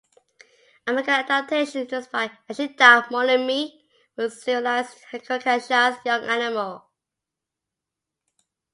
A manga adaptation, illustrated by Ashita Morimi, was serialized in Hakusensha's "Young Animal".